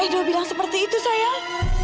ibu bilang seperti itu sayang